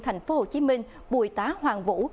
thành phố hồ chí minh bùi tá hoàng vũ